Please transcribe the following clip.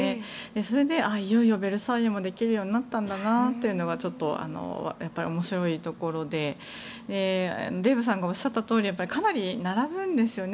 それで、いよいよベルサイユもできるようになったんだなというのがちょっと面白いところでデーブさんがおっしゃったとおりかなり並ぶんですよね